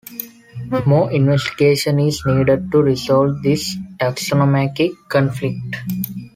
More investigation is needed to resolve this taxonomic conflict.